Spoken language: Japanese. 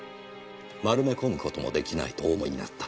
丸め込む事もできないとお思いになった。